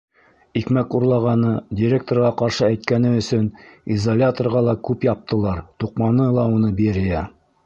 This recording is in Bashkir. Икмәк урлағаны, директорға ҡаршы әйткәне өсөн изоляторға ла күп яптылар, туҡманы ла уны Берия.